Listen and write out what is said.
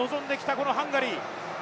このハンガリー。